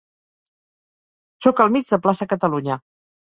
Soc al mig de Plaça Catalunya.